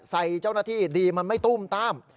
เจ้าหน้าที่ดีมันไม่ตุ้มต้าม